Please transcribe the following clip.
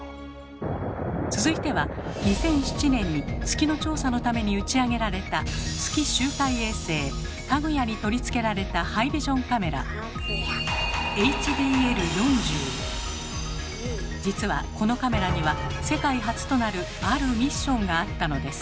続いては２００７年に月の調査のために打ち上げられた「月周回衛星かぐや」に取り付けられたハイビジョンカメラ実はこのカメラには世界初となるあるミッションがあったのです。